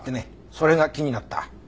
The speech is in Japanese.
それが気になった。